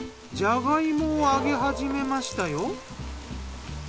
じゃが芋を揚げ始めましたよ。